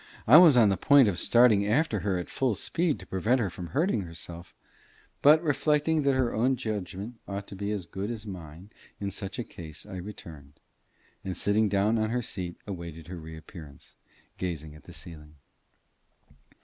I was on the point of starting after her at full speed, to prevent her from hurting herself, but reflecting that her own judgment ought to be as good as mine in such a case, I returned, and sitting down on her seat, awaited her reappearance, gazing at the ceiling.